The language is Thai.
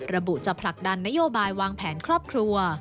ระบุจะผลักดันนโยบายวางแผนครอบครัว